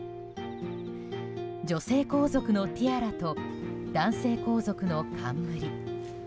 女性皇族のティアラと男性皇族の冠。